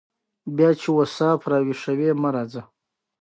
له داسې طرزه ګټه وانخیستل شوه.